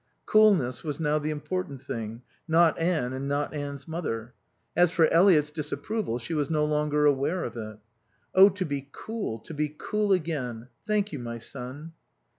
Coolness was now the important thing, not Anne and not Anne's mother. As for Eliot's disapproval, she was no longer aware of it. "Oh, to be cool, to be cool again! Thank you, my son."